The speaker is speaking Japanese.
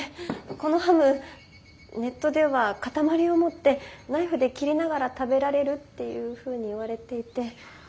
このハムネットでは塊を持ってナイフで切りながら食べられるっていうふうに言われていてあの。